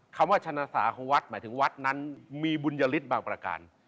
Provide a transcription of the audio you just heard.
คำว่าชนะสาของวัดหมายถึงวัดนั้นมีบุญยฤทธิ์บางประการ